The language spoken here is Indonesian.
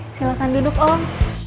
silahkan duduk om